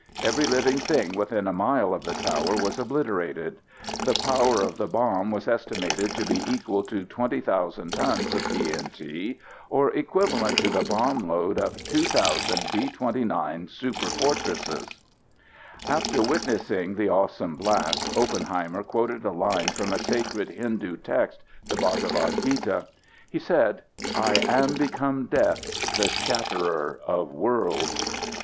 Every living thing within a mile of the tower was obliterated. The power of the bomb was estimated to be equal to 20,000 tons of TNT, or equivalent to the bomb load of 2,000 B 29, Superfortresses! After witnessing the awesome blast, Oppenheimer quoted a line from a sacred Hindu text, the Bhagavad Gita: He said: "I am become death, the shatterer of worlds."